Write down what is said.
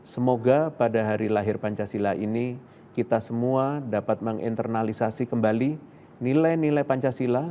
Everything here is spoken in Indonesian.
semoga pada hari lahir pancasila ini kita semua dapat menginternalisasi kembali nilai nilai pancasila